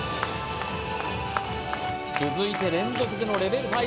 続いて連続でのレベル